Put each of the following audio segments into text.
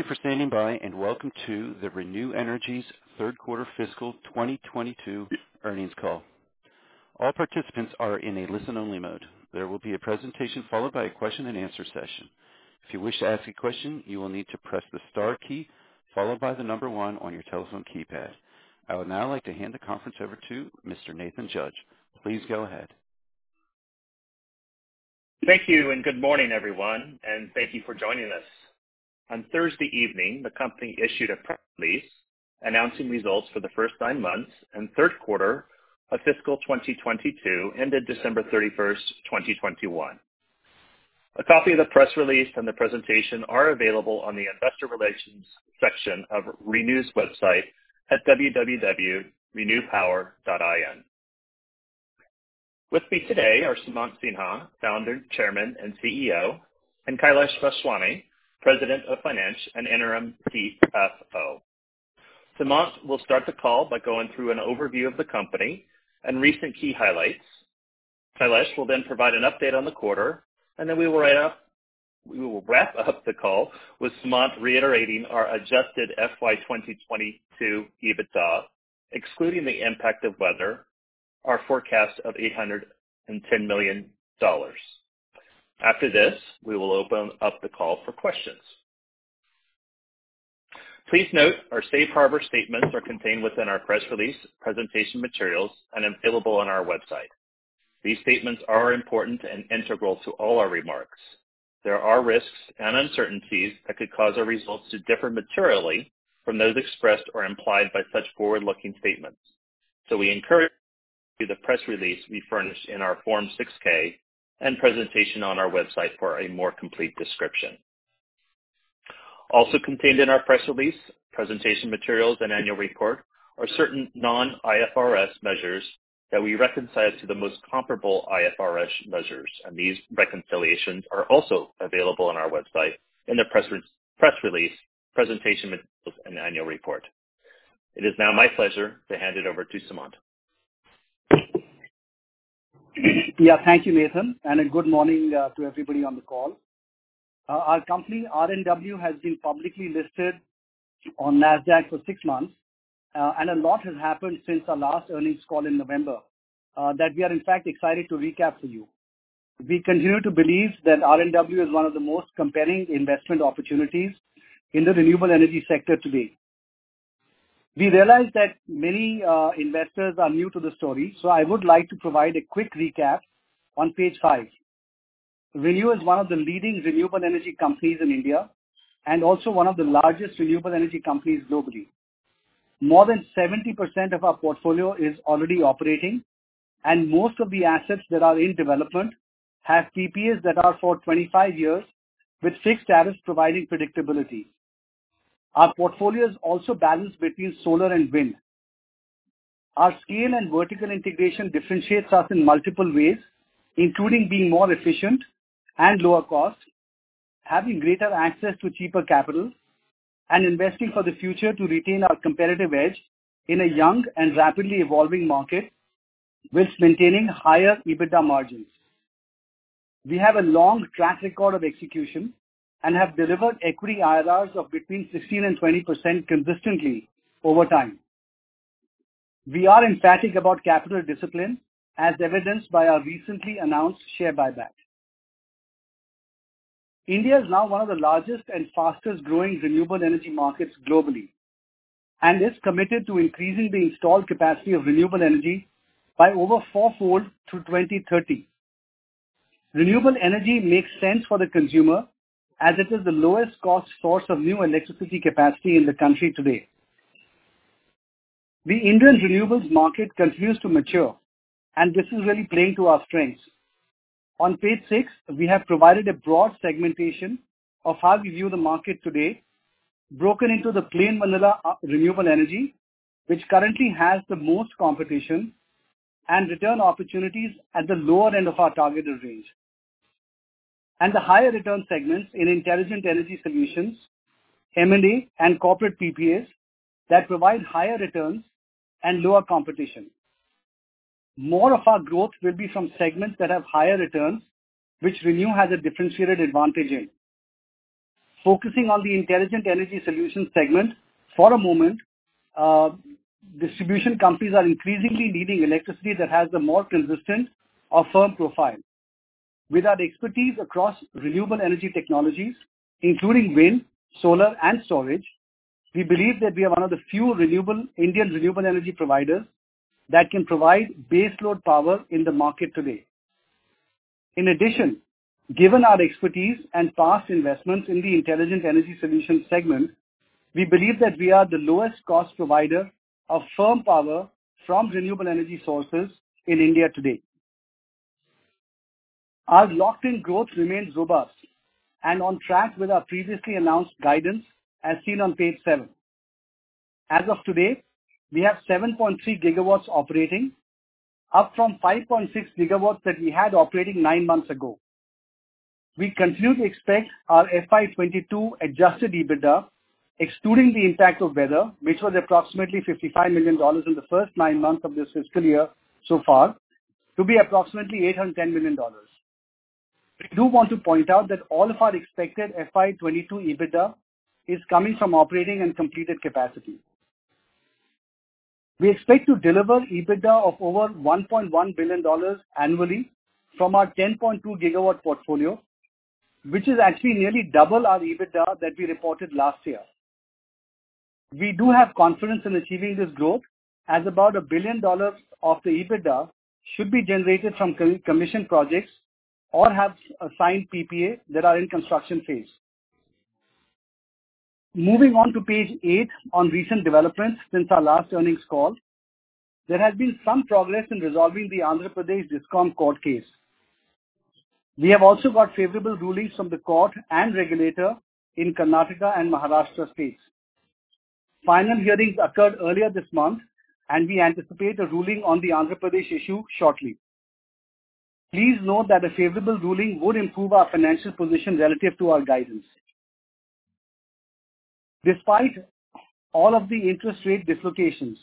Thank you for standing by, and welcome to the ReNew Energy's third quarter fiscal 2022 earnings call. All participants are in a listen-only mode. There will be a presentation followed by a question and answer session. If you wish to ask a question, you will need to press the star key followed by the number one on your telephone keypad. I would now like to hand the conference over to Mr. Nathan Judge. Please go ahead. Thank you, and good morning, everyone, and thank you for joining us. On Thursday evening, the company issued a press release announcing results for the first nine months and third quarter of fiscal 2022, ended December 31st, 2021. A copy of the press release and the presentation are available on the investor relations section of ReNew's website at www.renewpower.in. With me today are Sumant Sinha, Founder, Chairman, and CEO, and Kailash Vaswani, President of Finance and Interim CFO. Sumant will start the call by going through an overview of the company and recent key highlights. Kailash will then provide an update on the quarter, and then we will wrap up the call with Sumant reiterating our adjusted FY 2022 EBITDA, excluding the impact of weather, our forecast of $810 million. After this, we will open up the call for questions. Please note our safe harbor statements are contained within our press release, presentation materials, and available on our website. These statements are important and integral to all our remarks. There are risks and uncertainties that could cause our results to differ materially from those expressed or implied by such forward-looking statements. We encourage you to read the press release we furnish in our Form 6-K and presentation on our website for a more complete description. Also contained in our press release, presentation materials, and annual report are certain non-IFRS measures that we reconcile to the most comparable IFRS measures, and these reconciliations are also available on our website in the press release, presentation materials, and annual report. It is now my pleasure to hand it over to Sumant. Yeah. Thank you, Nathan, and a good morning to everybody on the call. Our company, RNW, has been publicly listed on Nasdaq for six months, and a lot has happened since our last earnings call in November that we are, in fact, excited to recap for you. We continue to believe that RNW is one of the most compelling investment opportunities in the renewable energy sector today. We realize that many investors are new to the story, so I would like to provide a quick recap on page five. ReNew is one of the leading renewable energy companies in India and also one of the largest renewable energy companies globally. More than 70% of our portfolio is already operating, and most of the assets that are in development have PPAs that are for 25 years with fixed tariffs providing predictability. Our portfolio is also balanced between solar and wind. Our scale and vertical integration differentiates us in multiple ways, including being more efficient and lower cost, having greater access to cheaper capital, and investing for the future to retain our competitive edge in a young and rapidly evolving market with maintaining higher EBITDA margins. We have a long track record of execution and have delivered equity IRRs of between 16% and 20% consistently over time. We are emphatic about capital discipline, as evidenced by our recently announced share buyback. India is now one of the largest and fastest-growing renewable energy markets globally and is committed to increasing the installed capacity of renewable energy by over fourfold through 2030. Renewable energy makes sense for the consumer as it is the lowest cost source of new electricity capacity in the country today. The Indian renewables market continues to mature, and this is really playing to our strengths. On page six, we have provided a broad segmentation of how we view the market today, broken into the plain vanilla, renewable energy, which currently has the most competition and return opportunities at the lower end of our targeted range. The higher return segments in intelligent energy solutions, M&A, and corporate PPAs that provide higher returns and lower competition. More of our growth will be from segments that have higher returns, which ReNew has a differentiated advantage in. Focusing on the intelligent energy solution segment for a moment, distribution companies are increasingly needing electricity that has a more consistent or firm profile. With our expertise across renewable energy technologies, including wind, solar, and storage, we believe that we are one of the few renewable, Indian renewable energy providers that can provide baseload power in the market today. In addition, given our expertise and past investments in the intelligent energy solution segment, we believe that we are the lowest cost provider of firm power from renewable energy sources in India today. Our locked-in growth remains robust and on track with our previously announced guidance, as seen on page seven. As of today, we have 7.3 GW operating, up from 5.6 GW that we had operating nine months ago. We continue to expect our FY 2022 adjusted EBITDA, excluding the impact of weather, which was approximately $55 million in the first nine months of this fiscal year so far, to be approximately $810 million. We do want to point out that all of our expected FY 2022 EBITDA is coming from operating and completed capacity. We expect to deliver EBITDA of over $1.1 billion annually from our 10.2 GW portfolio, which is actually nearly double our EBITDA that we reported last year. We do have confidence in achieving this growth as about $1 billion of the EBITDA should be generated from commissioned projects or have signed PPA that are in construction phase. Moving on to page eight on recent developments since our last earnings call. There has been some progress in resolving the Andhra Pradesh DISCOM court case. We have also got favorable rulings from the court and regulator in Karnataka and Maharashtra states. Final hearings occurred earlier this month, and we anticipate a ruling on the Andhra Pradesh issue shortly. Please note that a favorable ruling would improve our financial position relative to our guidance. Despite all of the interest rate dislocations,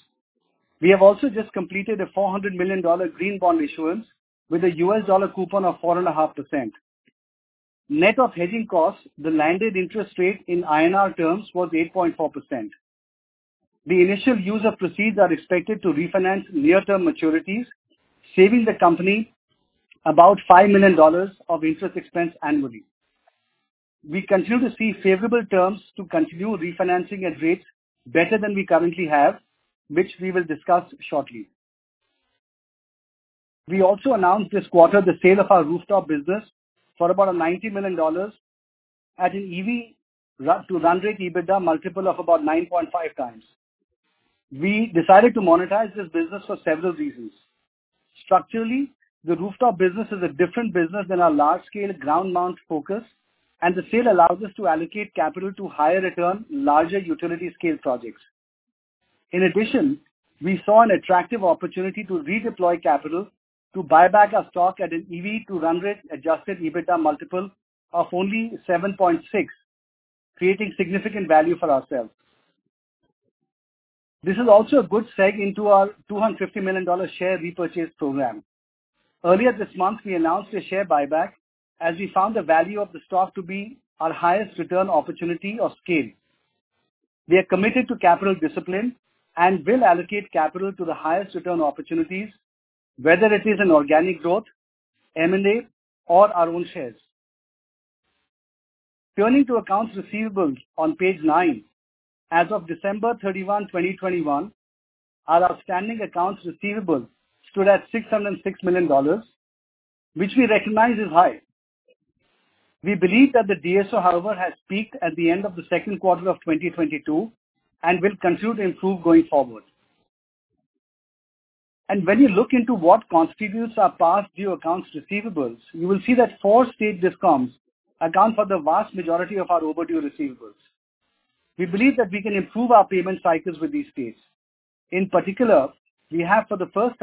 we have also just completed a $400 million green bond issuance with a US dollar coupon of 4.5%. Net of hedging costs, the landed interest rate in INR terms was 8.4%. The initial use of proceeds are expected to refinance near-term maturities, saving the company about $5 million of interest expense annually. We continue to see favorable terms to continue refinancing at rates better than we currently have, which we will discuss shortly. We also announced this quarter the sale of our rooftop business for about $90 million at an EV-to-run-rate EBITDA multiple of about 9.5x. We decided to monetize this business for several reasons. Structurally, the rooftop business is a different business than our large-scale ground-mount focus, and the sale allows us to allocate capital to higher-return, larger utility-scale projects. In addition, we saw an attractive opportunity to redeploy capital to buy back our stock at an EV-to-run-rate adjusted EBITDA multiple of only 7.6, creating significant value for ourselves. This is also a good segue into our $250 million share repurchase program. Earlier this month, we announced a share buyback as we found the value of the stock to be our highest-return opportunity of scale. We are committed to capital discipline and will allocate capital to the highest return opportunities, whether it is in organic growth, M&A, or our own shares. Turning to accounts receivables on page nine. As of December 31, 2021, our outstanding accounts receivables stood at $606 million, which we recognize is high. We believe that the DSO, however, has peaked at the end of the second quarter of 2022 and will continue to improve going forward. When you look into what constitutes our past due accounts receivables, you will see that four state DISCOMs account for the vast majority of our overdue receivables. We believe that we can improve our payment cycles with these states. In particular, we have for the first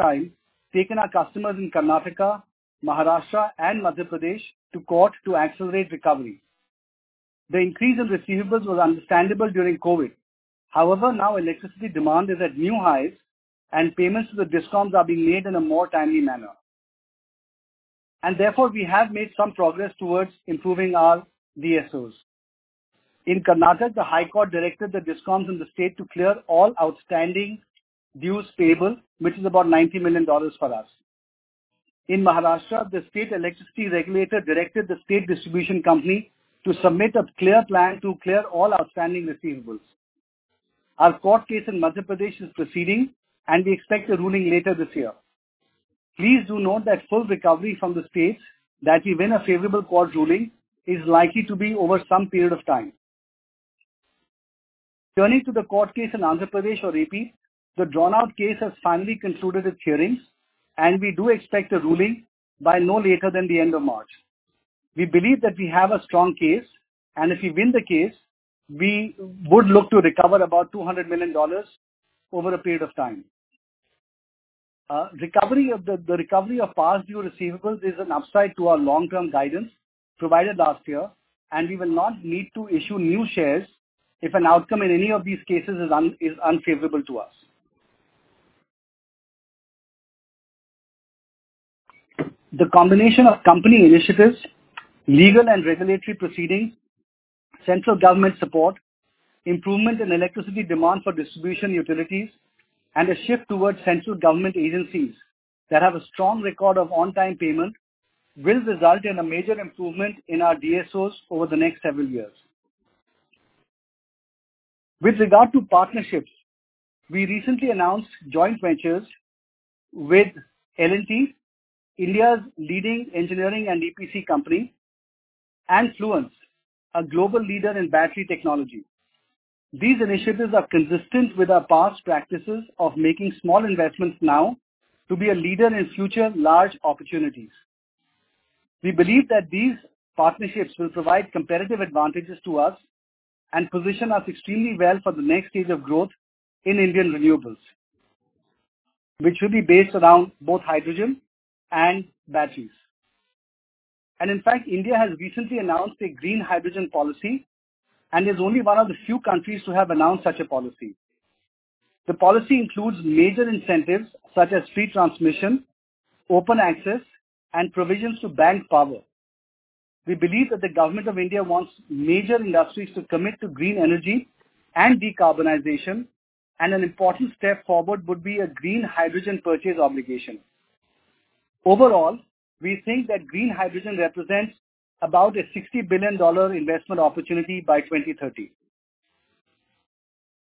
time taken our customers in Karnataka, Maharashtra and Madhya Pradesh to court to accelerate recovery. The increase in receivables was understandable during COVID. However, now electricity demand is at new highs and payments to the DISCOMs are being made in a more timely manner. Therefore, we have made some progress towards improving our DSOs. In Karnataka, the High Court directed the DISCOMs in the state to clear all outstanding dues payable, which is about $90 million for us. In Maharashtra, the state electricity regulator directed the state distribution company to submit a clear plan to clear all outstanding receivables. Our court case in Madhya Pradesh is proceeding and we expect a ruling later this year. Please do note that full recovery from the states that we win a favorable court ruling is likely to be over some period of time. Turning to the court case in Andhra Pradesh or AP. The drawn-out case has finally concluded its hearings, and we do expect a ruling by no later than the end of March. We believe that we have a strong case, and if we win the case, we would look to recover about $200 million over a period of time. Recovery of past due receivables is an upside to our long-term guidance provided last year, and we will not need to issue new shares if an outcome in any of these cases is unfavorable to us. The combination of company initiatives, legal and regulatory proceedings, central government support, improvement in electricity demand for distribution utilities, and a shift towards central government agencies that have a strong record of on-time payments will result in a major improvement in our DSOs over the next several years. With regard to partnerships, we recently announced joint ventures with L&T, India's leading engineering and EPC company, and Fluence, a global leader in battery technology. These initiatives are consistent with our past practices of making small investments now to be a leader in future large opportunities. We believe that these partnerships will provide competitive advantages to us and position us extremely well for the next stage of growth in Indian renewables, which will be based around both hydrogen and batteries. In fact, India has recently announced a green hydrogen policy and is only one of the few countries to have announced such a policy. The policy includes major incentives such as free transmission, open access, and provisions to bank power. We believe that the government of India wants major industries to commit to green energy and decarbonization, and an important step forward would be a green hydrogen purchase obligation. Overall, we think that green hydrogen represents about a $60 billion investment opportunity by 2030.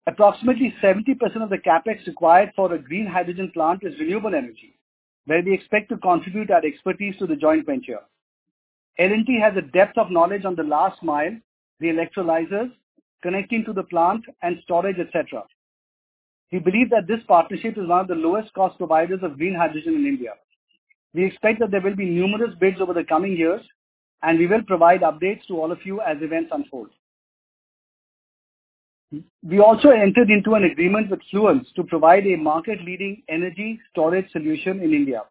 Approximately 70% of the CapEx required for a green hydrogen plant is renewable energy, where we expect to contribute our expertise to the joint venture. L&T has a depth of knowledge on the last mile, the electrolyzers, connecting to the plant and storage, et cetera. We believe that this partnership is one of the lowest cost providers of green hydrogen in India. We expect that there will be numerous bids over the coming years, and we will provide updates to all of you as events unfold. We also entered into an agreement with Fluence to provide a market-leading energy storage solution in India.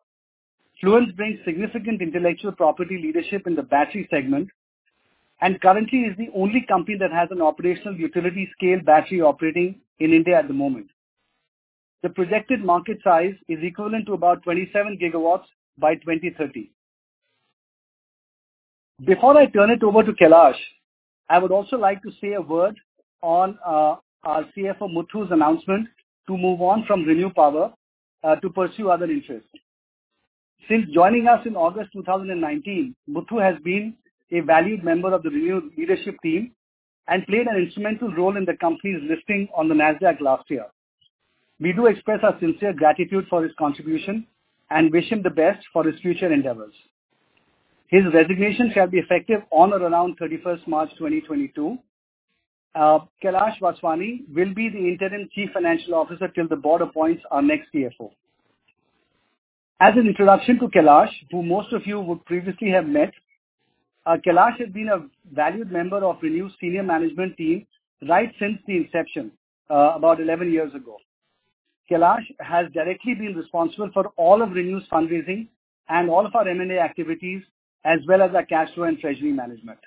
Fluence brings significant intellectual property leadership in the battery segment, and currently is the only company that has an operational utility-scale battery operating in India at the moment. The projected market size is equivalent to about 27 GW by 2030. Before I turn it over to Kailash, I would also like to say a word on our CFO Muthu's announcement to move on from ReNew Power to pursue other interests. Since joining us in August 2019, Muthu has been a valued member of the ReNew leadership team and played an instrumental role in the company's listing on the Nasdaq last year. We do express our sincere gratitude for his contribution and wish him the best for his future endeavors. His resignation shall be effective on or around 31st March 2022. Kailash Vaswani will be the interim Chief Financial Officer till the board appoints our next CFO. As an introduction to Kailash, who most of you would previously have met, Kailash has been a valued member of Renew's senior management team right since the inception, about 11 years ago. Kailash has directly been responsible for all of Renew's fundraising and all of our M&A activities, as well as our cash flow and treasury management.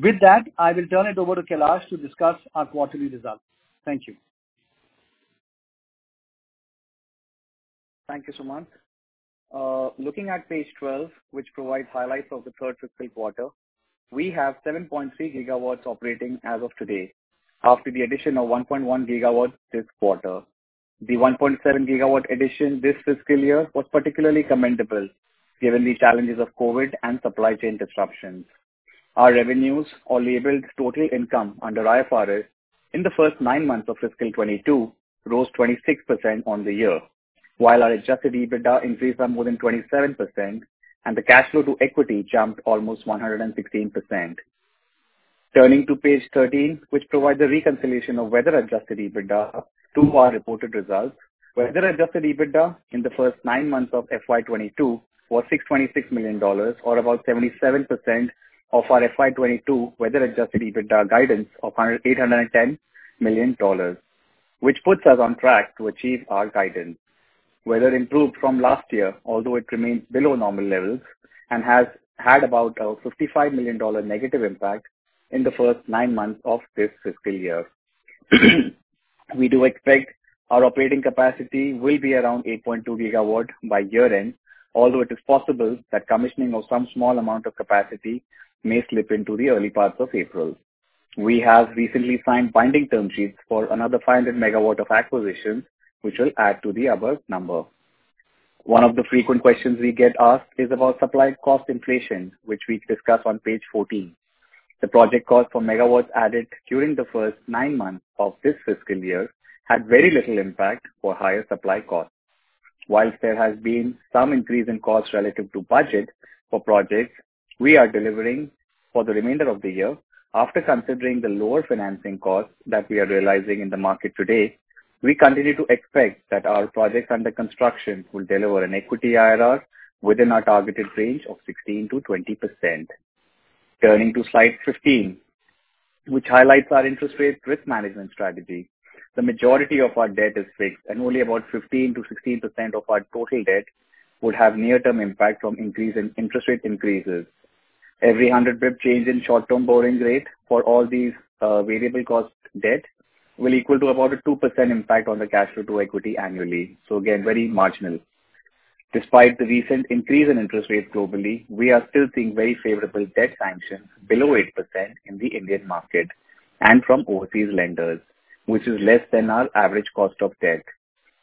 With that, I will turn it over to Kailash to discuss our quarterly results. Thank you. Thank you, Sumant. Looking at page 12, which provides highlights of the third fiscal quarter, we have 7.3 GW operating as of today, after the addition of 1.1 GW this quarter. The 1.7 GW addition this fiscal year was particularly commendable given the challenges of COVID and supply chain disruptions. Our revenues or labeled total income under IFRS in the first nine months of fiscal 2022 rose 26% on the year, while our adjusted EBITDA increased by more than 27% and the cash flow to equity jumped almost 116%. Turning to page 13, which provides a reconciliation of weather-adjusted EBITDA to our reported results. Weather-adjusted EBITDA in the first nine months of FY 2022 was $626 million, or about 77% of our FY 2022 weather-adjusted EBITDA guidance of $810 million, which puts us on track to achieve our guidance. Weather improved from last year, although it remains below normal levels and has had about a $55 million negative impact in the first nine months of this fiscal year. We do expect our operating capacity will be around 8.2 GW by year-end, although it is possible that commissioning of some small amount of capacity may slip into the early parts of April. We have recently signed binding term sheets for another 500 MW of acquisitions, which will add to the above number. One of the frequent questions we get asked is about supply cost inflation, which we discuss on page 14. The project cost for megawatts added during the first nine months of this fiscal year had very little impact from higher supply costs. While there has been some increase in costs relative to budget for projects we are delivering for the remainder of the year, after considering the lower financing costs that we are realizing in the market today, we continue to expect that our projects under construction will deliver an equity IRR within our targeted range of 16%-20%. Turning to slide 15, which highlights our interest rate risk management strategy. The majority of our debt is fixed, and only about 15%-16% of our total debt would have near-term impact from increases in interest rates. Every 100 basis point change in short-term borrowing rate for all these, variable cost debt will equal to about a 2% impact on the cash flow to equity annually. Again, very marginal. Despite the recent increase in interest rates globally, we are still seeing very favorable debt sanctions below 8% in the Indian market and from overseas lenders, which is less than our average cost of debt.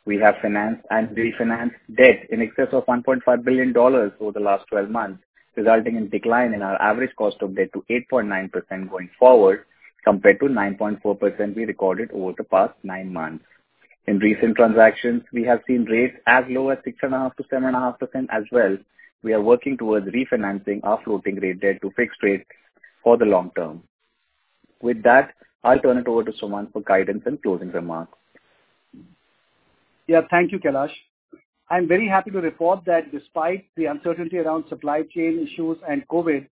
We have financed and refinanced debt in excess of $1.5 billion over the last 12 months, resulting in decline in our average cost of debt to 8.9% going forward, compared to 9.4% we recorded over the past 9 months. In recent transactions, we have seen rates as low as 6.5%-7.5% as well. We are working towards refinancing our floating rate debt to fixed rate for the long term. With that, I'll turn it over to Sumant for guidance and closing remarks. Yeah. Thank you, Kailash. I'm very happy to report that despite the uncertainty around supply chain issues and COVID,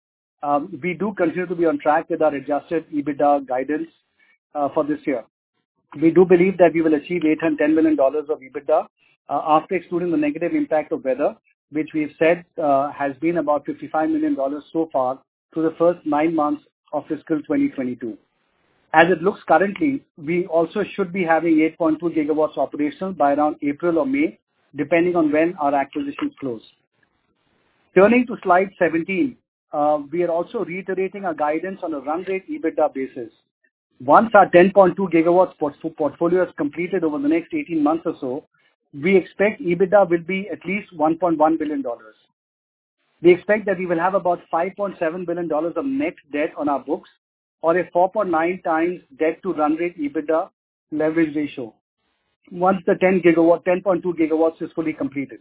we do continue to be on track with our adjusted EBITDA guidance for this year. We do believe that we will achieve $810 million of EBITDA, after excluding the negative impact of weather, which we've said has been about $55 million so far through the first nine months of fiscal 2022. As it looks currently, we also should be having 8.2 GW operational by around April or May, depending on when our acquisition close. Turning to slide 17, we are also reiterating our guidance on a run rate EBITDA basis. Once our 10.2 GW portfolio is completed over the next 18 months or so, we expect EBITDA will be at least $1.1 billion. We expect that we will have about $5.7 billion of net debt on our books or a 4.9x debt-to-run-rate EBITDA leverage ratio once the 10.2 GW is fully completed.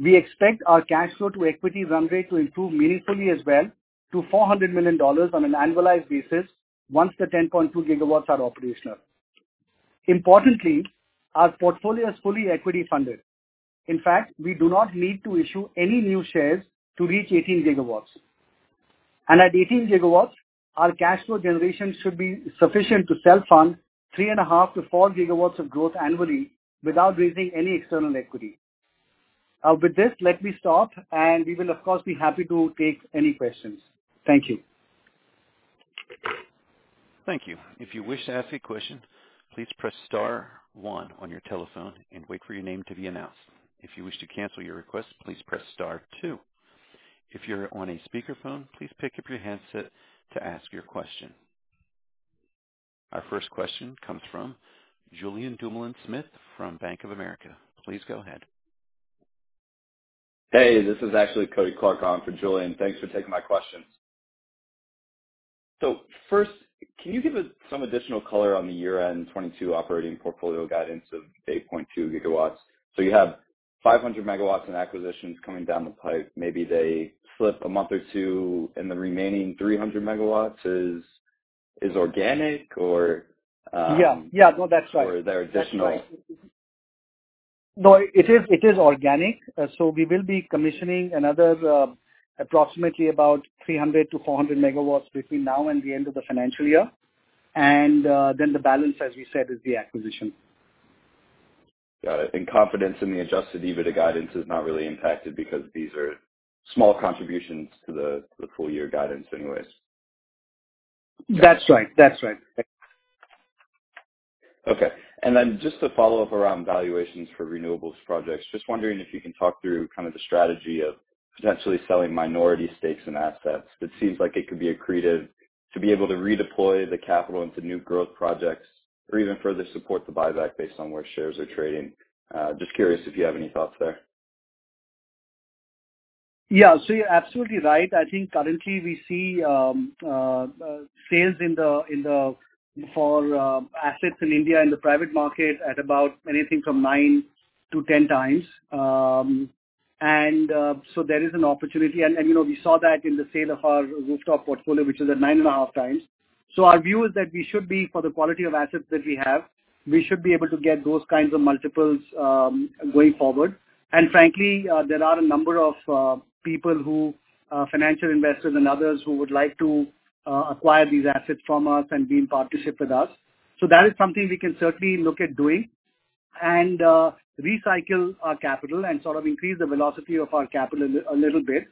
We expect our cash flow to equity run rate to improve meaningfully as well to $400 million on an annualized basis once the 10.2 GW are operational. Importantly, our portfolio is fully equity funded. In fact, we do not need to issue any new shares to reach 18 GW. At 18 GW, our cash flow generation should be sufficient to self-fund 3.5 GW-4 GW of growth annually without raising any external equity. With this, let me stop, and we will of course be happy to take any questions. Thank you. Thank you. If you wish to ask a question, please press star one on your telephone and wait for your name to be announced. If you wish to cancel your request, please press star two. If you're on a speakerphone, please pick up your handset to ask your question. Our first question comes from Julien Dumoulin-Smith from Bank of America. Please go ahead. Hey, this is actually Kody Clark on for Julien. Thanks for taking my questions. First, can you give us some additional color on the year-end 2022 operating portfolio guidance of 8.2 GW? You have 500 MW in acquisitions coming down the pipe. Maybe they slip a month or two, and the remaining 300 MW is organic or Yeah. Yeah. No, that's right. Are there additional? That's right. No, it is organic. We will be commissioning another approximately about 300 MW-400 MW between now and the end of the financial year. The balance, as we said, is the acquisition. Got it. Confidence in the adjusted EBITDA guidance is not really impacted because these are small contributions to the full year guidance anyways. That's right. Okay. Just to follow up around valuations for renewables projects, just wondering if you can talk through kind of the strategy of potentially selling minority stakes in assets. It seems like it could be accretive to be able to redeploy the capital into new growth projects or even further support the buyback based on where shares are trading. Just curious if you have any thoughts there. Yeah. You're absolutely right. I think currently we see sales for assets in India in the private market at about anywhere from 9x-10x. There is an opportunity. You know, we saw that in the sale of our rooftop portfolio, which is at 9.5x. Our view is that we should be, for the quality of assets that we have, able to get those kinds of multiples going forward. Frankly, there are a number of people, financial investors and others who would like to acquire these assets from us and be in partnership with us. That is something we can certainly look at doing and recycle our capital and sort of increase the velocity of our capital a little bit.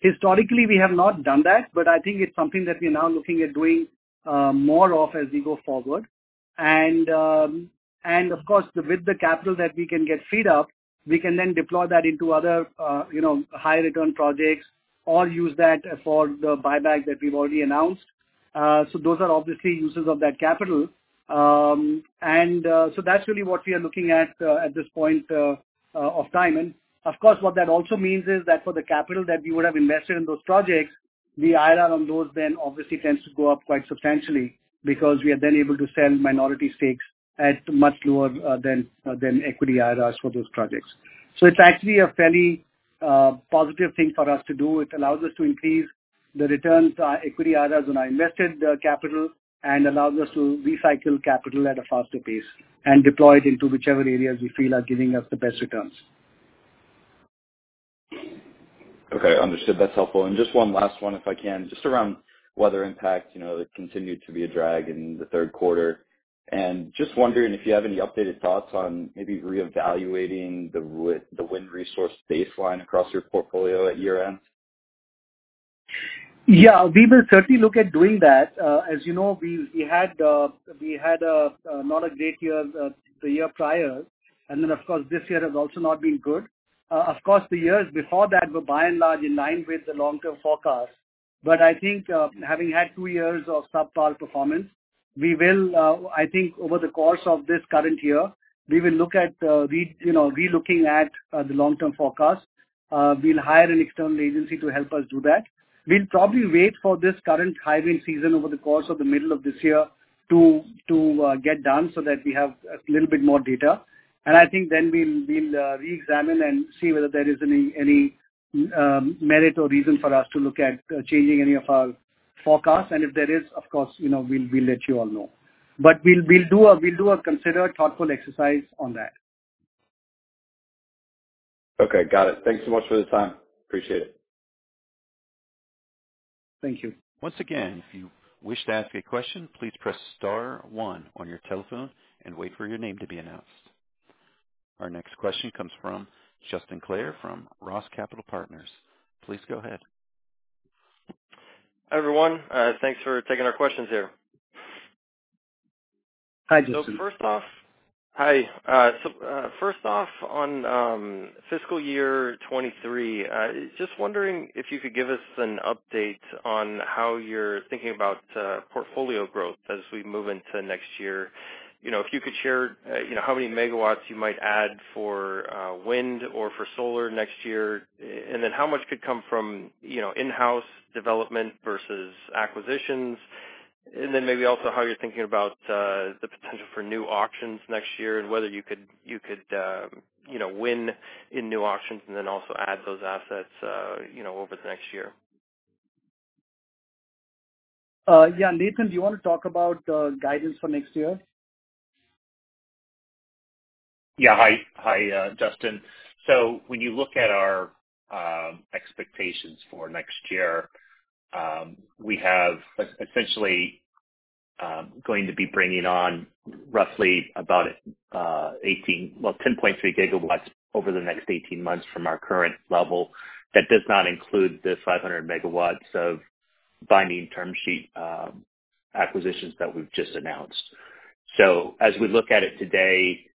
Historically, we have not done that, but I think it's something that we're now looking at doing more of as we go forward. Of course, with the capital that we can get freed up, we can then deploy that into other you know high return projects or use that for the buyback that we've already announced. Those are obviously uses of that capital. That's really what we are looking at at this point of time. Of course, what that also means is that for the capital that we would have invested in those projects, the IRR on those then obviously tends to go up quite substantially because we are then able to sell minority stakes at much lower than equity IRRs for those projects. It's actually a fairly positive thing for us to do. It allows us to increase the returns on equity IRRs on our invested capital and allows us to recycle capital at a faster pace and deploy it into whichever areas we feel are giving us the best returns. Okay. Understood. That's helpful. Just one last one, if I can, just around weather impact, you know, that continued to be a drag in the third quarter. Just wondering if you have any updated thoughts on maybe reevaluating the wind resource baseline across your portfolio at year-end. Yeah. We will certainly look at doing that. As you know, we had not a great year, the year prior, and then of course, this year has also not been good. Of course, the years before that were by and large in line with the long-term forecast. I think having had two years of subpar performance, we will I think over the course of this current year, we will look at you know, relooking at the long-term forecast. We'll hire an external agency to help us do that. We'll probably wait for this current high wind season over the course of the middle of this year to get done so that we have a little bit more data. I think then we'll reexamine and see whether there is any merit or reason for us to look at changing any of our forecasts. If there is, of course, you know, we'll let you all know. We'll do a considered, thoughtful exercise on that. Okay. Got it. Thanks so much for the time. Appreciate it. Thank you. Once again, if you wish to ask a question, please press star one on your telephone and wait for your name to be announced. Our next question comes from Justin Clare from Roth Capital Partners. Please go ahead. Hi, everyone. Thanks for taking our questions here. Hi, Justin. First off on fiscal year 2023, just wondering if you could give us an update on how you're thinking about portfolio growth as we move into next year. You know, if you could share, you know, how many megawatts you might add for wind or for solar next year, and then how much could come from, you know, in-house development versus acquisitions. Maybe also how you're thinking about the potential for new auctions next year and whether you could, you know, win in new auctions and then also add those assets, you know, over the next year. Yeah. Nathan, do you wanna talk about guidance for next year? Hi, Justin. When you look at our expectations for next year, we have essentially going to be bringing on roughly about 10.3 GW over the next 18 months from our current level. That does not include the 500 MW of binding term sheet acquisitions that we've just announced. As we look at it today,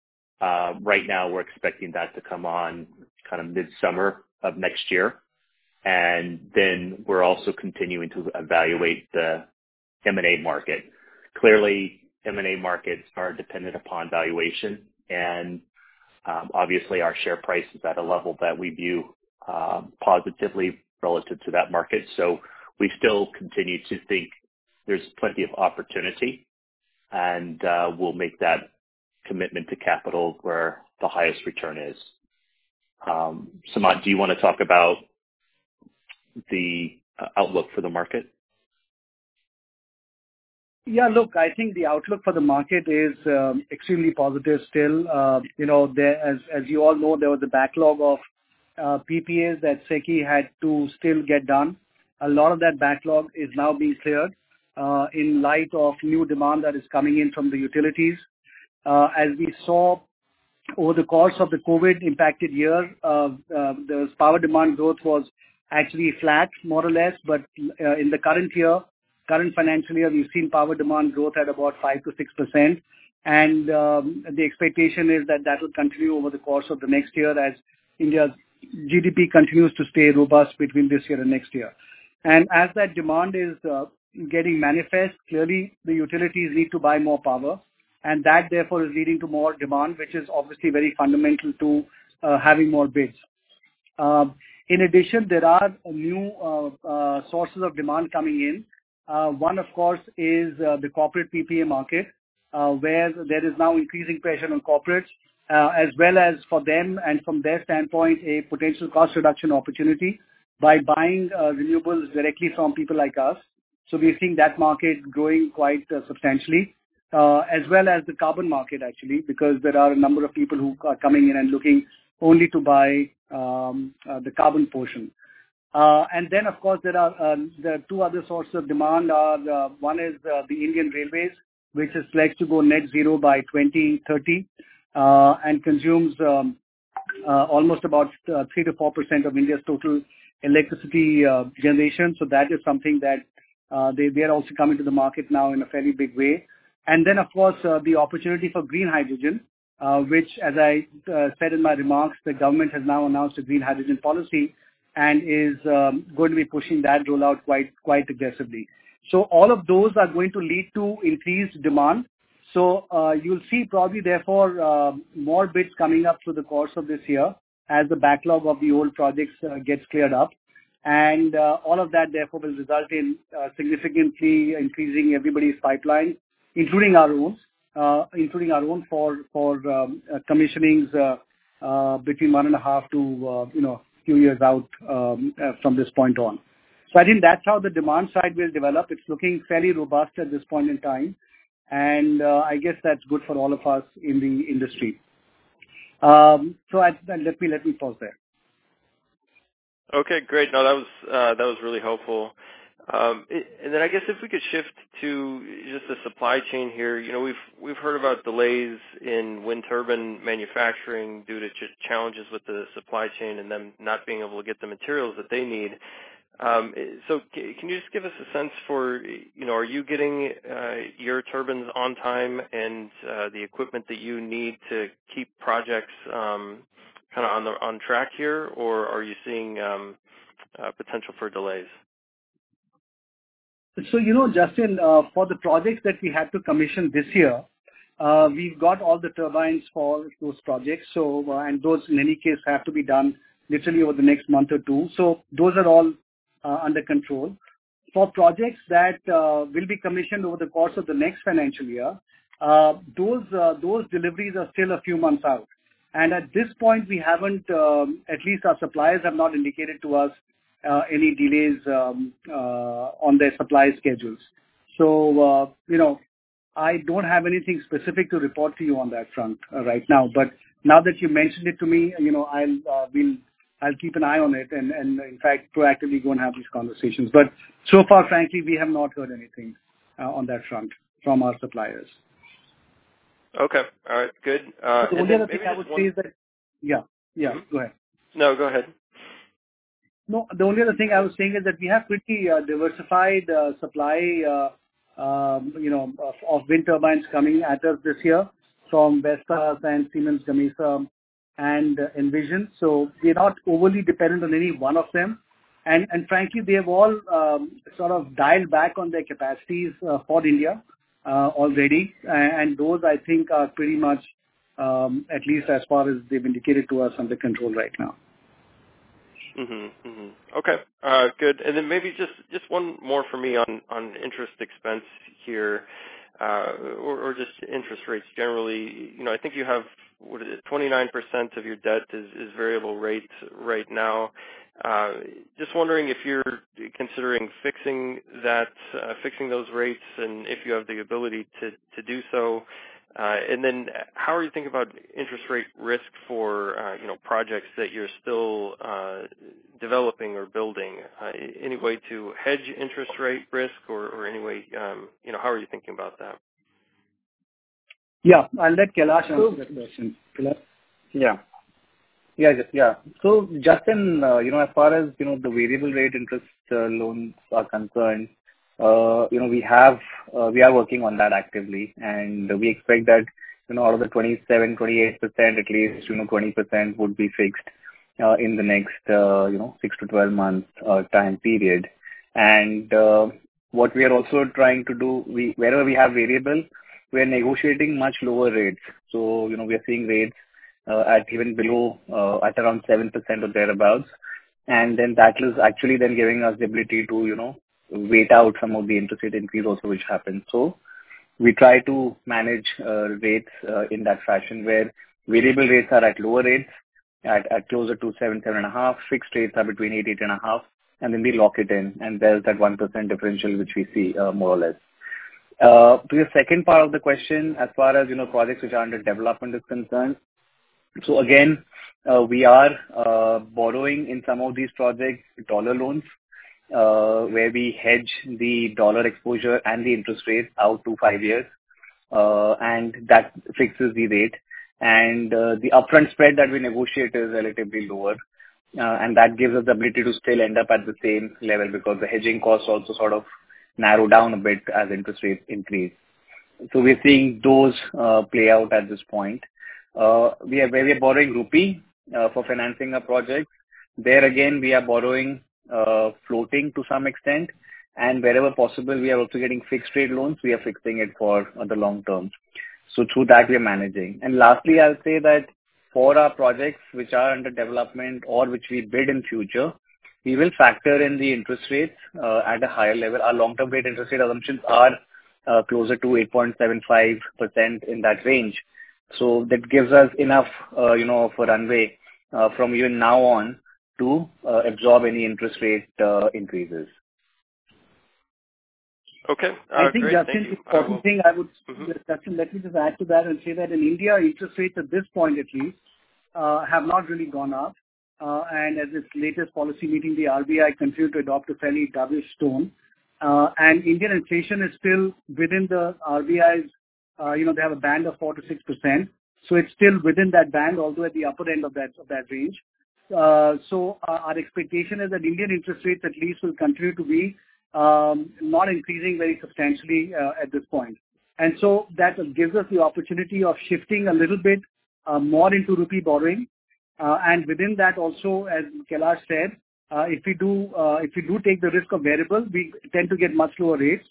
right now we're expecting that to come on kind of midsummer of next year. Then we're also continuing to evaluate the M&A market. Clearly, M&A markets are dependent upon valuation, and obviously our share price is at a level that we view positively relative to that market. We still continue to think there's plenty of opportunity, and we'll make that commitment to capital where the highest return is. Sumant, do you wanna talk about the outlook for the market? Yeah. Look, I think the outlook for the market is extremely positive still. You know, as you all know, there was a backlog of PPAs that SECI had to still get done. A lot of that backlog is now being cleared in light of new demand that is coming in from the utilities. As we saw over the course of the COVID impacted year, those power demand growth was actually flat, more or less. In the current year, current financial year, we've seen power demand growth at about 5%-6%. The expectation is that that will continue over the course of the next year as India's GDP continues to stay robust between this year and next year. As that demand is getting manifest, clearly the utilities need to buy more power, and that, therefore, is leading to more demand, which is obviously very fundamental to having more bids. In addition, there are new sources of demand coming in. One, of course, is the corporate PPA market, where there is now increasing pressure on corporates, as well as for them and from their standpoint, a potential cost reduction opportunity by buying renewables directly from people like us. We are seeing that market growing quite substantially, as well as the carbon market actually, because there are a number of people who are coming in and looking only to buy the carbon portion. Of course, there are two other sources of demand. One is the Indian Railways, which is poised to go net zero by 2030 and consumes almost about 3%-4% of India's total electricity generation. That is something that they are also coming to the market now in a fairly big way. Of course, the opportunity for green hydrogen, which, as I said in my remarks, the government has now announced a green hydrogen policy and is going to be pushing that rollout quite aggressively. All of those are going to lead to increased demand. You'll see probably therefore more bids coming up through the course of this year as the backlog of the old projects gets cleared up. All of that, therefore, will result in significantly increasing everybody's pipeline, including our own for commissionings between 1.5-2 years out, you know, from this point on. I think that's how the demand side will develop. It's looking fairly robust at this point in time, and I guess that's good for all of us in the industry. Let me pause there. Okay, great. No, that was really helpful. I guess if we could shift to just the supply chain here. You know, we've heard about delays in wind turbine manufacturing due to just challenges with the supply chain and them not being able to get the materials that they need. Can you just give us a sense for, you know, are you getting your turbines on time and the equipment that you need to keep projects kinda on track here, or are you seeing potential for delays? You know, Justin, for the projects that we had to commission this year, we've got all the turbines for those projects. Those, in any case, have to be done literally over the next month or two. Those are all under control. For projects that will be commissioned over the course of the next financial year, those deliveries are still a few months out. At this point, we haven't, at least our suppliers have not indicated to us any delays on their supply schedules. You know, I don't have anything specific to report to you on that front right now. Now that you've mentioned it to me, you know, I'll keep an eye on it and, in fact, proactively go and have these conversations. So far, frankly, we have not heard anything on that front from our suppliers. Okay. All right. Good. Maybe one- The only other thing I would say is that. Yeah. Yeah. Go ahead. No, go ahead. No, the only other thing I was saying is that we have pretty diversified supply you know of wind turbines coming at us this year from Vestas and Siemens Gamesa and Envision. We're not overly dependent on any one of them. Frankly, they have all sort of dialed back on their capacities for India already. Those I think are pretty much at least as far as they've indicated to us under control right now. Maybe just one more for me on interest expense here, or just interest rates generally. You know, I think you have, what is it? 29% of your debt is variable rates right now. Just wondering if you're considering fixing that, fixing those rates and if you have the ability to do so. How are you thinking about interest rate risk for, you know, projects that you're still developing or building? Any way to hedge interest rate risk or any way. You know, how are you thinking about that? Yeah. I'll let Kailash answer that question. Kailash. Yeah. Yeah, Justin, yeah. Justin, you know, as far as you know, the variable rate interest loans are concerned, you know, we are working on that actively. We expect that, you know, out of the 27%-28%, at least, you know, 20% would be fixed in the next, you know, six to 12-month time period. What we are also trying to do, wherever we have variable, we're negotiating much lower rates. You know, we are seeing rates at even below, at around 7% or thereabouts. That is actually then giving us the ability to, you know, wait out some of the interest rate increase also which happened. We try to manage rates in that fashion where variable rates are at lower rates at closer to 7%-7.5%. Fixed rates are between 8%-8.5%. Then we lock it in. There's that 1% differential which we see more or less. To your second part of the question, as far as you know projects which are under development is concerned, again we are borrowing in some of these projects dollar loans where we hedge the dollar exposure and the interest rates out to five years. That fixes the rate. The upfront spread that we negotiate is relatively lower. That gives us the ability to still end up at the same level because the hedging costs also sort of narrow down a bit as interest rates increase. We're seeing those play out at this point. We are borrowing in rupee for financing our projects. We are borrowing floating to some extent. Wherever possible, we are also getting fixed rate loans. We are fixing it for the long term. Through that, we are managing. Lastly, I'll say that for our projects which are under development or which we bid in future, we will factor in the interest rates at a higher level. Our long-term weighted interest rate assumptions are closer to 8.75%, in that range. That gives us enough, you know, for runway from even now on to absorb any interest rate increases. Okay. Great. Thank you. Justin, let me just add to that and say that in India, interest rates at this point at least have not really gone up. At its latest policy meeting, the RBI continued to adopt a fairly dovish tone. Indian inflation is still within the RBI's, you know, they have a band of 4%-6%. It's still within that band, although at the upper end of that range. Our expectation is that Indian interest rates at least will continue to be not increasing very substantially at this point. That gives us the opportunity of shifting a little bit more into rupee borrowing. Within that also, as Kailash said, if we do take the risk of variable, we tend to get much lower rates.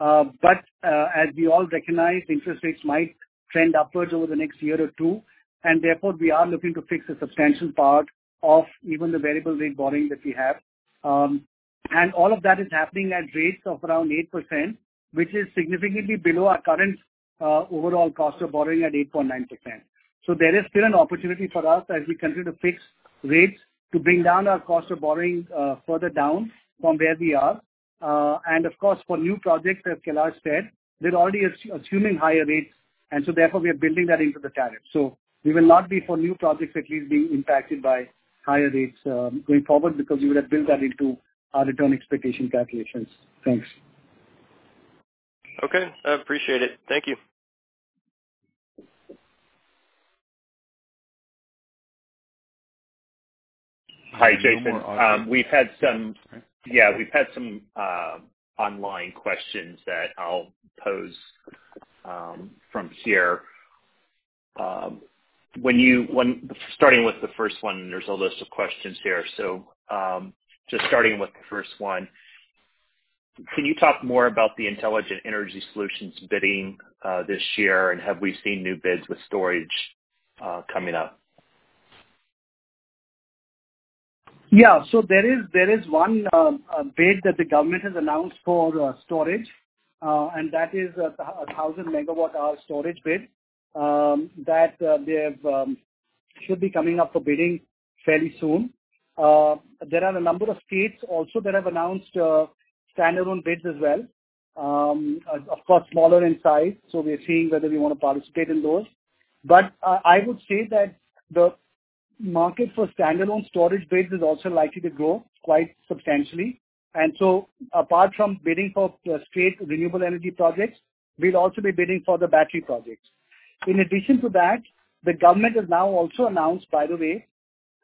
As we all recognize, interest rates might trend upwards over the next year or two, and therefore we are looking to fix a substantial part of even the variable rate borrowing that we have. All of that is happening at rates of around 8%, which is significantly below our current overall cost of borrowing at 8.9%. There is still an opportunity for us as we continue to fix rates to bring down our cost of borrowing further down from where we are. Of course, for new projects, as Kailash said, we're already assuming higher rates and so therefore we are building that into the tariff. We will not be, for new projects at least, being impacted by higher rates, going forward because we would have built that into our return expectation calculations. Thanks. Okay. I appreciate it. Thank you. Hi, Justin. We've had some online questions that I'll pose from here. Starting with the first one, there's a list of questions here. Just starting with the first one. Can you talk more about the intelligent energy solutions bidding this year? And have we seen new bids with storage coming up? There is one bid that the government has announced for storage. That is a 1,000 MWh storage bid that they have. Should be coming up for bidding fairly soon. There are a number of states that have announced standalone bids as well. Of course, smaller in size, so we are seeing whether we wanna participate in those. I would say that the market for standalone storage bids is also likely to grow quite substantially. Apart from bidding for state renewable energy projects, we'll also be bidding for the battery projects. In addition to that, the government has now also announced, by the way,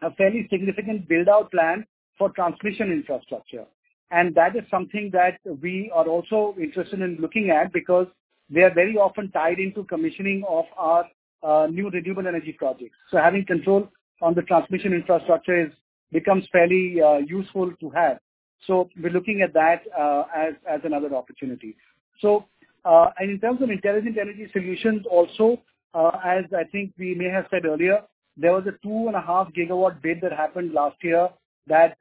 a fairly significant build-out plan for transmission infrastructure. That is something that we are also interested in looking at because they are very often tied into commissioning of our new renewable energy projects. Having control on the transmission infrastructure becomes fairly useful to have. We're looking at that as another opportunity. In terms of intelligent energy solutions also, as I think we may have said earlier, there was a 2.5 GW bid that happened last year that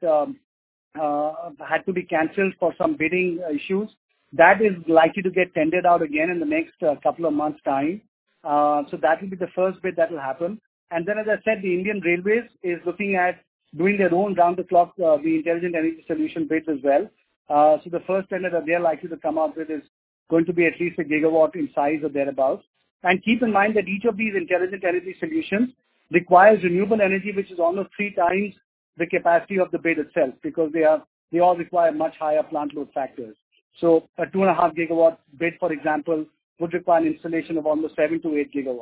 had to be canceled for some bidding issues. That is likely to get tendered out again in the next couple of months' time. That will be the first bid that will happen. Then, as I said, the Indian Railways is looking at doing their own round-the-clock intelligent energy solution bids as well. The first tender that they're likely to come up with is going to be at least a gigawatt in size or thereabout. Keep in mind that each of these intelligent energy solutions requires renewable energy, which is almost three times the capacity of the bid itself, because they all require much higher plant load factors. A 2.5 GW bid, for example, would require an installation of almost 7 GW-8 GW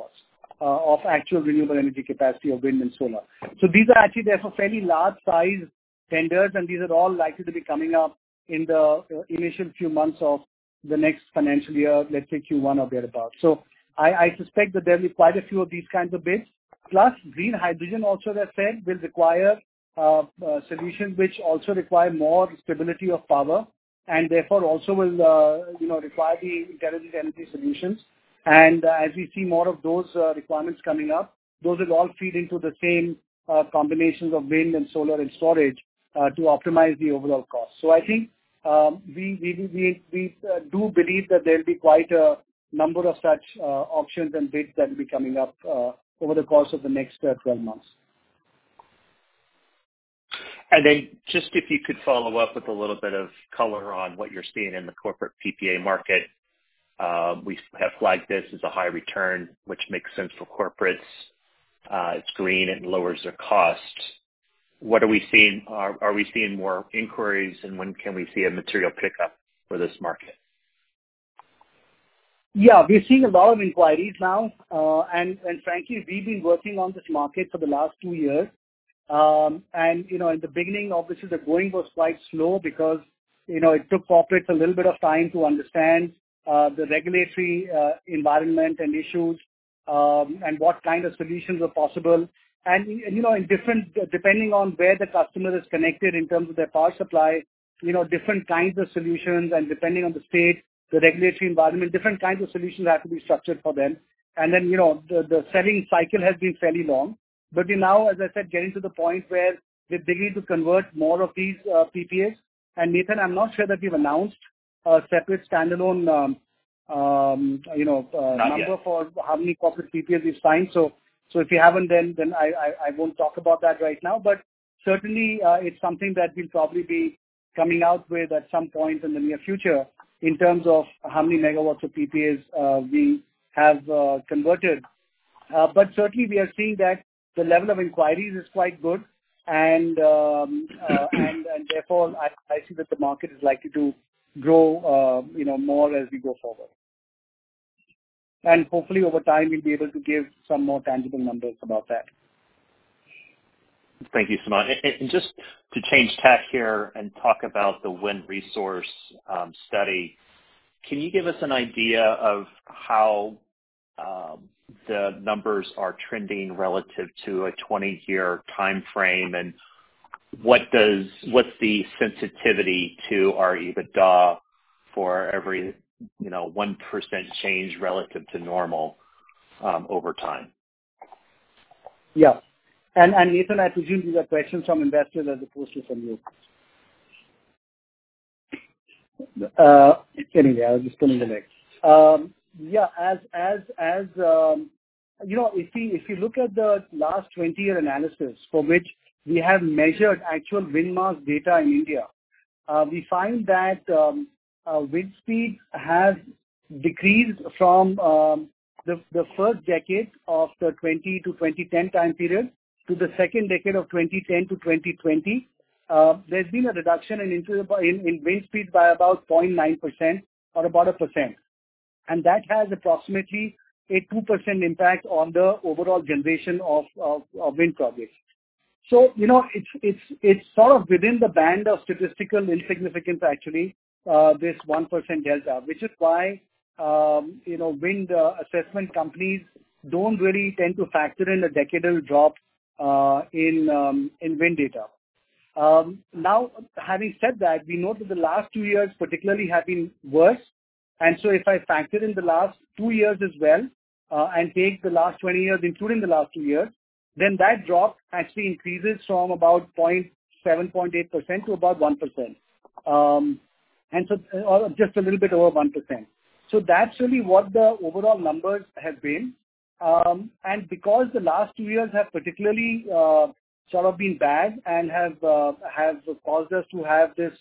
of actual renewable energy capacity of wind and solar. These are actually, therefore, fairly large size tenders, and these are all likely to be coming up in the initial few months of the next financial year, let's say Q1 or thereabout. I suspect that there'll be quite a few of these kinds of bids. Plus green hydrogen also that said will require solutions which also require more stability of power and therefore also will you know require the intelligent energy solutions. As we see more of those requirements coming up, those will all feed into the same combinations of wind and solar and storage to optimize the overall cost. I think we do believe that there'll be quite a number of such auctions and bids that will be coming up over the course of the next 12 months. Just if you could follow up with a little bit of color on what you're seeing in the corporate PPA market. We have flagged this as a high return, which makes sense for corporates. It's green and lowers their cost. What are we seeing? Are we seeing more inquiries and when can we see a material pickup for this market? Yeah. We're seeing a lot of inquiries now. Frankly, we've been working on this market for the last two years. You know, in the beginning, obviously the going was quite slow because, you know, it took corporates a little bit of time to understand the regulatory environment and issues, and what kind of solutions were possible. You know, depending on where the customer is connected in terms of their power supply, you know, different kinds of solutions, and depending on the state, the regulatory environment, different kinds of solutions have to be structured for them. You know, the selling cycle has been fairly long. We now, as I said, getting to the point where they're beginning to convert more of these PPAs. Nathan, I'm not sure that we've announced a separate standalone, you know, Not yet.... number for how many corporate PPAs we've signed. If you haven't, then I won't talk about that right now. Certainly, it's something that we'll probably be coming out with at some point in the near future in terms of how many megawatts of PPAs we have converted. Certainly we are seeing that the level of inquiries is quite good. Therefore I see that the market is likely to grow, you know, more as we go forward. Hopefully over time we'll be able to give some more tangible numbers about that. Thank you, Sumant. Just to change tack here and talk about the wind resource study. Can you give us an idea of how the numbers are trending relative to a 20-year timeframe, and what's the sensitivity to our EBITDA for every, you know, 1% change relative to normal over time? Nathan, I presume these are questions from investors as opposed to from you. Anyway, I'll just come in the next. As you know, if you look at the last 20-year analysis for which we have measured actual wind mast data in India, we find that wind speed has decreased from the first decade of the 2000-2010 time period to the second decade of the 2010-2020. There's been a reduction in wind speed by about 0.9% or about 1%. That has approximately a 2% impact on the overall generation of wind projects. You know, it's sort of within the band of statistical insignificance actually, this 1% delta, which is why, you know, wind assessment companies don't really tend to factor in a decadal drop in wind data. Now having said that, we know that the last two years particularly have been worse. If I factor in the last two years as well, and take the last 20 years, including the last two years, then that drop actually increases from about 0.78% to about 1%. Or just a little bit over 1%. That's really what the overall numbers have been. Because the last two years have particularly sort of been bad and have caused us to have this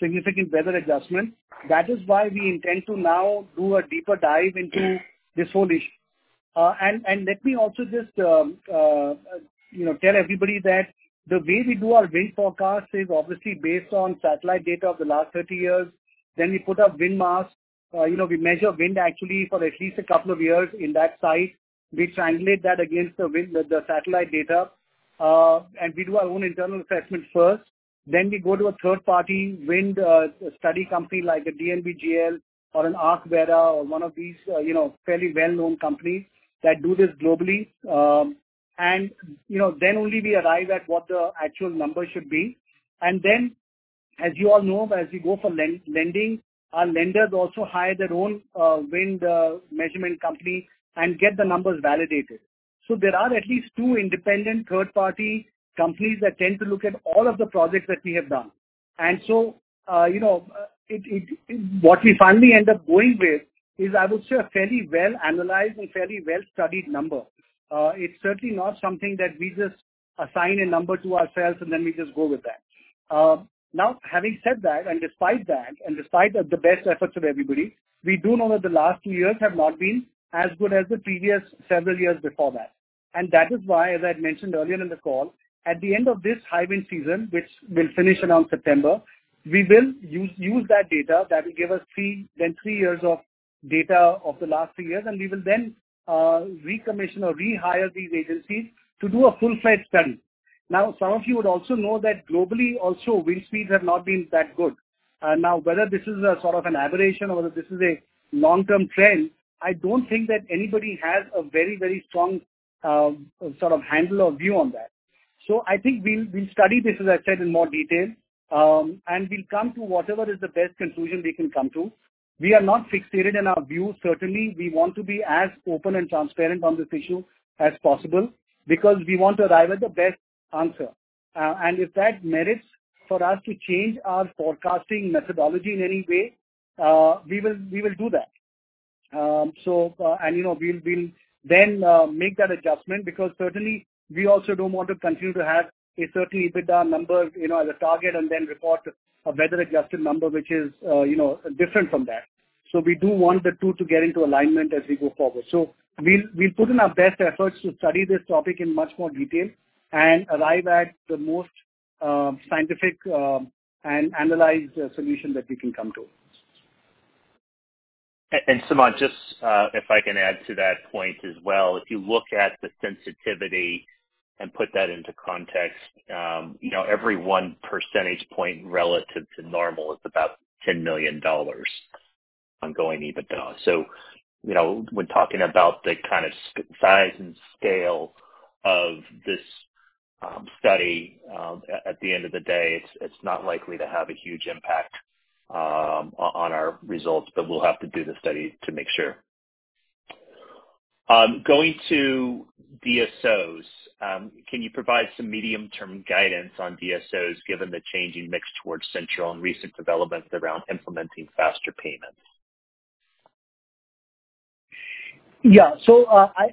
significant weather adjustment, that is why we intend to now do a deeper dive into this whole issue. Let me also just you know tell everybody that the way we do our wind forecast is obviously based on satellite data of the last 30 years. Then we put up wind masks. You know, we measure wind actually for at least a couple of years in that site. We triangulate that against the wind, the satellite data. We do our own internal assessment first. Then we go to a third party wind study company like a DNV GL or an ArcVera or one of these you know fairly well-known companies that do this globally. You know, then only we arrive at what the actual number should be. Then, as you all know, as we go for lending, our lenders also hire their own wind measurement company and get the numbers validated. There are at least two independent third-party companies that tend to look at all of the projects that we have done. You know, it, what we finally end up going with is, I would say, a fairly well-analyzed and fairly well-studied number. It's certainly not something that we just assign a number to ourselves, and then we just go with that. Now, having said that, and despite that, and despite the best efforts of everybody, we do know that the last two years have not been as good as the previous several years before that. That is why, as I mentioned earlier in the call, at the end of this high wind season, which will finish around September, we will use that data. That will give us three years of data of the last three years, and we will then recommission or rehire these agencies to do a full-fledged study. Now, some of you would also know that globally also, wind speeds have not been that good. Now, whether this is a sort of an aberration or whether this is a long-term trend, I don't think that anybody has a very strong sort of handle or view on that. I think we'll study this, as I said, in more detail. And we'll come to whatever is the best conclusion we can come to. We are not fixated in our view. Certainly, we want to be as open and transparent on this issue as possible because we want to arrive at the best answer. If that merits for us to change our forecasting methodology in any way, we will do that. You know, we'll then make that adjustment because certainly we also don't want to continue to have a certain EBITDA number, you know, as a target and then report a weather-adjusted number which is, you know, different from that. We do want the two to get into alignment as we go forward. We'll put in our best efforts to study this topic in much more detail and arrive at the most scientific and analytical solution that we can come to. Sumant, just, if I can add to that point as well. If you look at the sensitivity and put that into context, you know, every one percentage point relative to normal is about $10 million ongoing EBITDA. You know, when talking about the kind of size and scale of this study, at the end of the day, it's not likely to have a huge impact on our results, but we'll have to do the study to make sure. Going to DSOs, can you provide some medium-term guidance on DSOs given the changing mix towards central and recent developments around implementing faster payments? Yeah.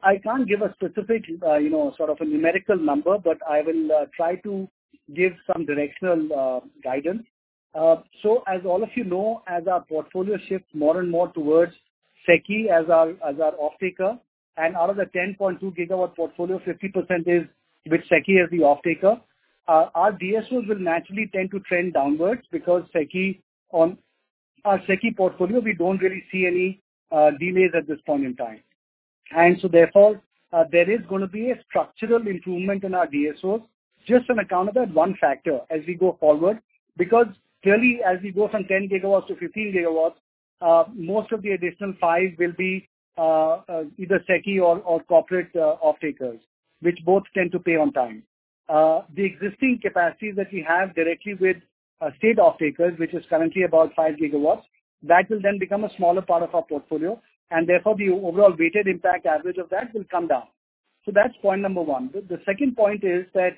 I can't give a specific, you know, sort of a numerical number, but I will try to give some directional guidance. As all of you know, as our portfolio shifts more and more towards SECI as our off-taker, and out of the 10.2 GW portfolio, 50% is with SECI as the off-taker. Our DSOs will naturally tend to trend downwards because SECI on our SECI portfolio, we don't really see any delays at this point in time. Therefore, there is gonna be a structural improvement in our DSOs just on account of that one factor as we go forward. Because clearly, as we go from 10 GW-15 GW, most of the additional 5 GW will be either SECI or corporate off-takers, which both tend to pay on time. The existing capacities that we have directly with state off-takers, which is currently about 5 GW, that will then become a smaller part of our portfolio, and therefore the overall weighted impact average of that will come down. So that's point number one. The second point is that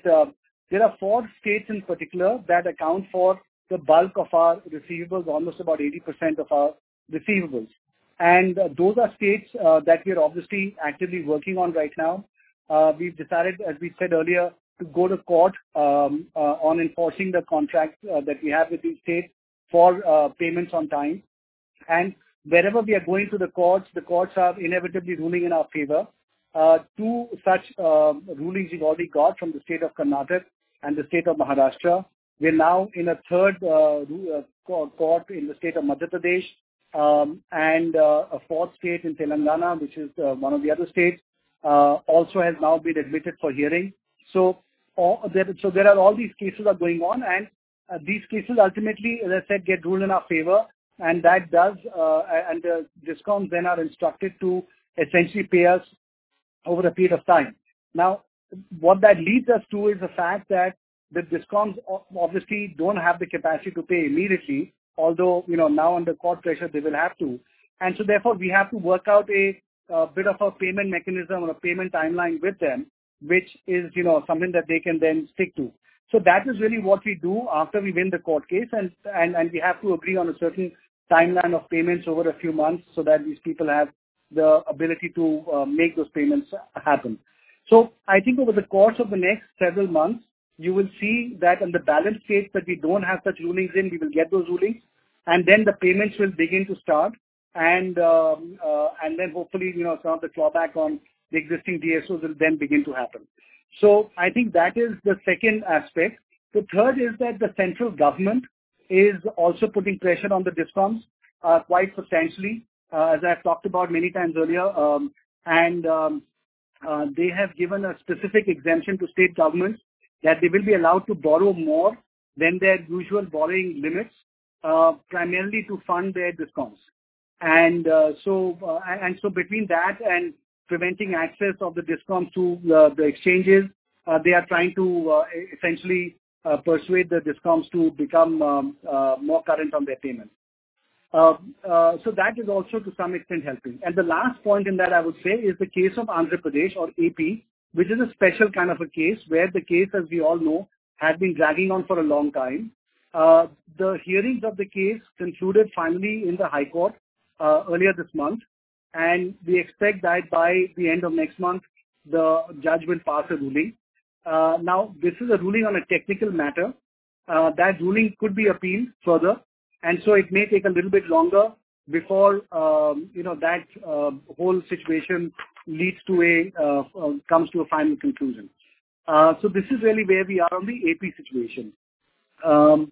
there are four states in particular that account for the bulk of our receivables, almost about 80% of our receivables. Those are states that we're obviously actively working on right now. We've decided, as we said earlier, to go to court on enforcing the contracts that we have with these states for payments on time. Wherever we are going to the courts, the courts are inevitably ruling in our favor. Two such rulings we've already got from the state of Karnataka and the state of Maharashtra. We're now in a third court in the state of Madhya Pradesh, and a fourth court in Telangana, which is one of the other states, also has now been admitted for hearing. There are all these cases going on. These cases ultimately, as I said, get ruled in our favor and that does and the DISCOMs then are instructed to essentially pay us over a period of time. Now, what that leads us to is the fact that the DISCOMs obviously don't have the capacity to pay immediately, although, you know, now under court pressure they will have to. Therefore, we have to work out a bit of a payment mechanism or a payment timeline with them, which is, you know, something that they can then stick to. That is really what we do after we win the court case and we have to agree on a certain timeline of payments over a few months so that these people have the ability to make those payments happen. I think over the course of the next several months, you will see that in the balance sheets that we don't have such rulings in, we will get those rulings, and then the payments will begin to start and then hopefully, you know, some of the clawback on the existing DSOs will then begin to happen. I think that is the second aspect. The third is that the central government is also putting pressure on the DISCOMs, quite substantially, as I've talked about many times earlier. They have given a specific exemption to state governments that they will be allowed to borrow more than their usual borrowing limits, primarily to fund their DISCOMs. Between that and preventing access of the DISCOMs to the exchanges, they are trying to essentially persuade the DISCOMs to become more current on their payments. That is also to some extent helping. The last point in that, I would say is the case of Andhra Pradesh or AP, which is a special kind of a case where the case, as we all know, had been dragging on for a long time. The hearings of the case concluded finally in the High Court earlier this month, and we expect that by the end of next month, the judge will pass a ruling. Now this is a ruling on a technical matter. That ruling could be appealed further, and so it may take a little bit longer before, you know, that whole situation leads to a final conclusion. So this is really where we are on the AP situation. So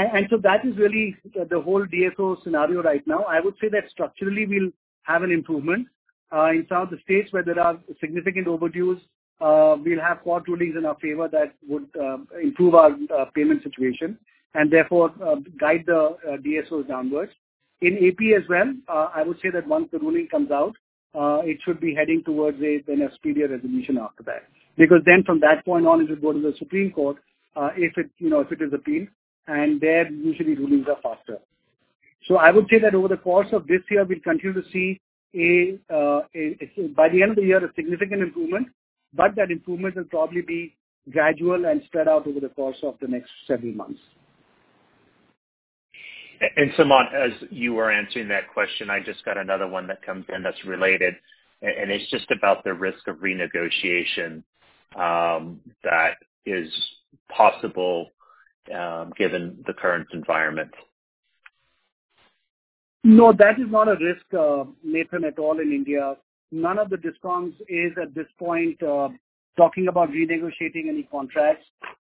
that is really the whole DSO scenario right now. I would say that structurally we'll have an improvement. In some of the states where there are significant overdues, we'll have court rulings in our favor that would improve our payment situation and therefore guide the DSOs downwards. In AP as well, I would say that once the ruling comes out, it should be heading towards a speedier resolution after that. Then from that point on, it will go to the Supreme Court, if it is appealed, and the rulings are usually faster. I would say that over the course of this year, we'll continue to see by the end of the year a significant improvement, but that improvement will probably be gradual and spread out over the course of the next several months. Sumant, as you were answering that question, I just got another one that comes in that's related, and it's just about the risk of renegotiation that is possible given the current environment. No, that is not a risk, Nathan, at all in India. None of the DISCOMs is at this point talking about renegotiating any contracts.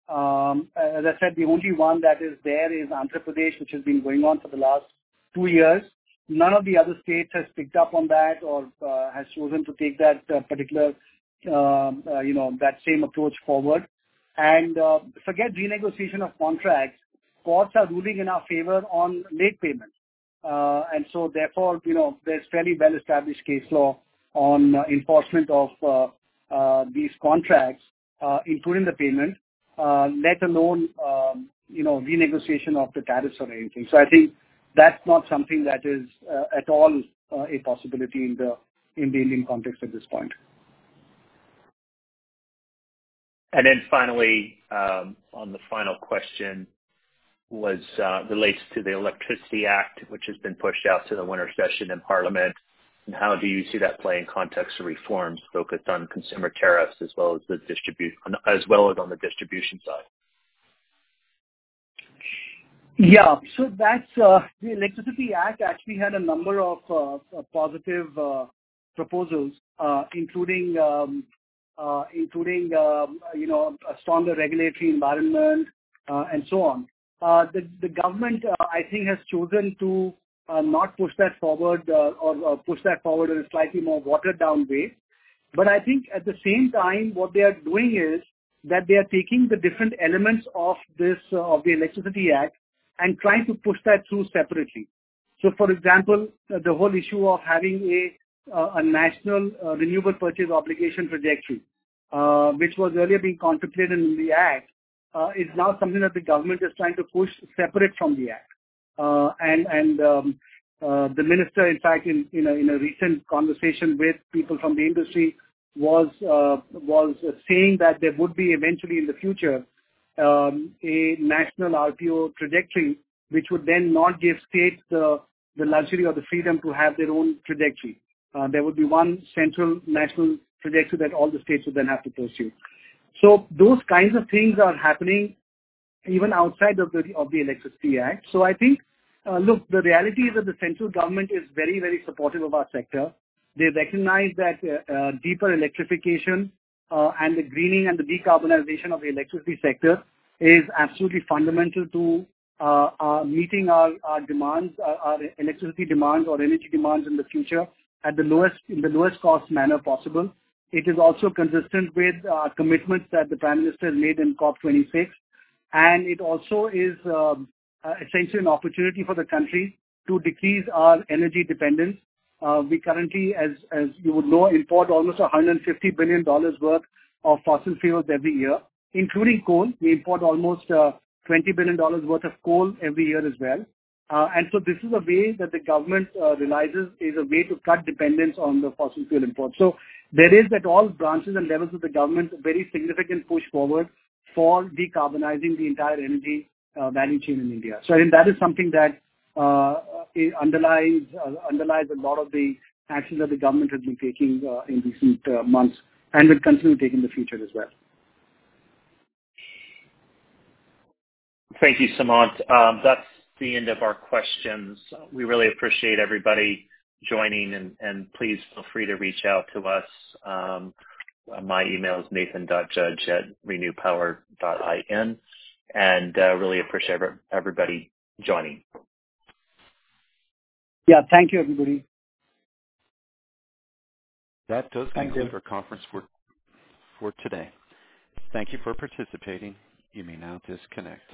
As I said, the only one that is there is Andhra Pradesh, which has been going on for the last two years. None of the other states has picked up on that or has chosen to take that particular, you know, that same approach forward. Forget renegotiation of contracts, courts are ruling in our favor on late payments. You know, there's fairly well-established case law on enforcement of these contracts, including the payment, let alone, you know, renegotiation of the tariffs or anything. I think that's not something that is at all a possibility in the Indian context at this point. The final question relates to the Electricity Act, which has been pushed out to the winter session in Parliament. How do you see that play in context to reforms focused on consumer tariffs as well as on the distribution side? That's the Electricity Act actually had a number of positive proposals, including you know a stronger regulatory environment and so on. The government I think has chosen to not push that forward or push that forward in a slightly more watered-down way. I think at the same time, what they are doing is that they are taking the different elements of the Electricity Act and trying to push that through separately. For example, the whole issue of having a national renewable purchase obligation trajectory, which was earlier being contemplated in the act, is now something that the government is trying to push separate from the act. The minister, in fact, in a recent conversation with people from the industry was saying that there would be eventually in the future a national RPO trajectory, which would then not give states the luxury or the freedom to have their own trajectory. There would be one central national trajectory that all the states would then have to pursue. Those kinds of things are happening even outside of the Electricity Act. I think, look, the reality is that the central government is very, very supportive of our sector. They recognize that deeper electrification and the greening and the decarbonization of the electricity sector is absolutely fundamental to meeting our electricity demands or energy demands in the future at the lowest, in the lowest cost manner possible. It is also consistent with commitments that the prime minister made in COP26, and it also is essentially an opportunity for the country to decrease our energy dependence. We currently, as you would know, import almost $150 billion worth of fossil fuels every year, including coal. We import almost $20 billion worth of coal every year as well. This is a way that the government realizes is a way to cut dependence on the fossil fuel imports. There is at all branches and levels of the government, a very significant push forward for decarbonizing the entire energy value chain in India. I think that is something that underlies a lot of the actions that the government has been taking in recent months and will continue to take in the future as well. Thank you, Sumant. That's the end of our questions. We really appreciate everybody joining and please feel free to reach out to us. My email is nathan.judge@renewpower.in. Really appreciate everybody joining. Yeah. Thank you, everybody. That does conclude. Thank you. Our conference for today. Thank you for participating. You may now disconnect.